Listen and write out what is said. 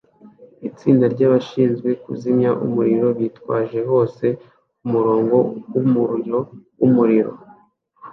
Itsinda ryabashinzwe kuzimya umuriro bitwaje hose kumurongo wumuriro wumuriro